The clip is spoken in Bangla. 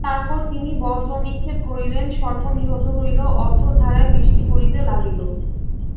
তারপর তিনি বজ্র-নিক্ষেপ করিলে সর্প নিহত হইল, অঝোর ধারায় বৃষ্টি পড়িতে লাগিল।